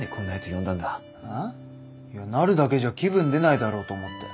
いやなるだけじゃ気分出ないだろうと思って。